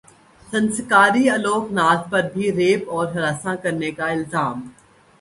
سنسکاری الوک ناتھ پر بھی ریپ اور ہراساں کرنے کا الزام